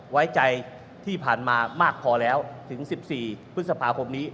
ไว้ใจที่ผ่านมามากพอแล้วถึง๑๔พฤษภาคมนี้